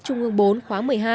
trung ương bốn khóa một mươi hai